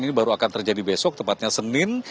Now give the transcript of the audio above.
ini baru akan terjadi besok tepatnya senin